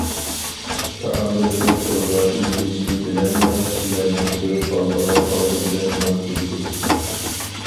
تائاملىرىمىز تىلغا ئېلىنىشى بىلەنلا، كىشىلەرنىڭ كۆز ئالدىغا ئالدى بىلەن نان كېلىدۇ.